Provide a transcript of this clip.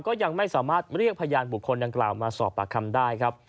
ก็ยังไม่สามารถเรียกพยานบุคคลดังกล่าวมาสอบปากคำได้ครับ